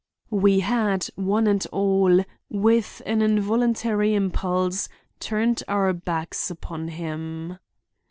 We had, one and all, with an involuntary impulse, turned our backs upon him.